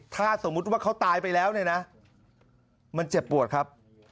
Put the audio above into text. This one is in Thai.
ถ้าสมมุติว่าเขาตายไปแล้วเนี่ยนะมันเจ็บปวดครับ